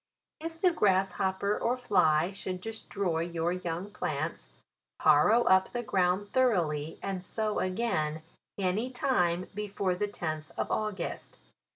If the grasshopper or fly should destroy your young plants, harrow up the ground thoroughly, and sow again, any time before the tenth of August.